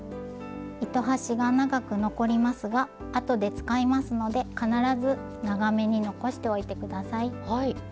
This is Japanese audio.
糸端が長く残りますがあとで使いますので必ず長めに残しておいて下さい。